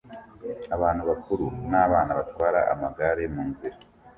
abantu bakuru nabana batwara amagare munzira